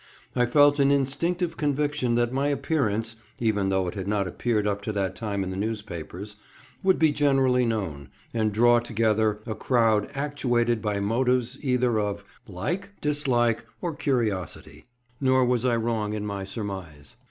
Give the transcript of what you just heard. I felt an instinctive conviction that my appearance (even though it had not appeared up to that time in the newspapers) would be generally known, and draw together a crowd actuated by motives either of like, dislike, or curiosity; nor was I wrong in my surmise.